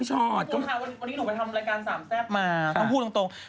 ต้องพูดตรง